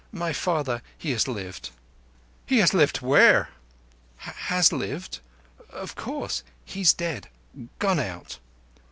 My father, he has lived." "Has lived where?" "Has lived. Of course he is dead—gone out."